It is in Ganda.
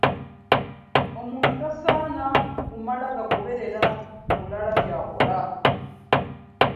Omuntu tasaana kumala gagoberera mulala kyakola .